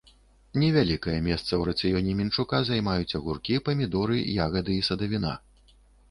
Невялікае месца ў рацыёне мінчука займаюць агуркі, памідоры, ягады і садавіна.